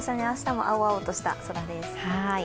明日も青々とした空です。